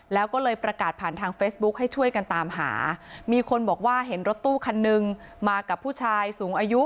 แล้วก็เลยประกาศผ่านทางเฟซบุ๊คให้ช่วยกันตามหามีคนบอกว่าเห็นรถตู้คันนึงมากับผู้ชายสูงอายุ